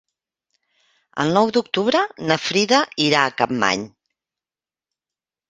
El nou d'octubre na Frida irà a Capmany.